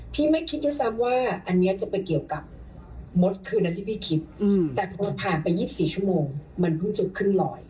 ไม่คิดด้วยซ้ำว่าอันนี้จะไปเกี่ยวกับมดคืนนั้นที่พี่คิดแต่พอผ่านไป๒๔ชั่วโมงมันเพิ่งจะขึ้นลอย